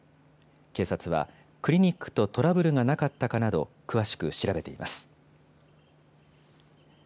警察はクリニックとトラブルがなかったかなど、詳しく調べています。